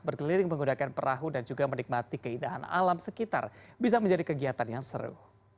berkeliling menggunakan perahu dan juga menikmati keindahan alam sekitar bisa menjadi kegiatan yang seru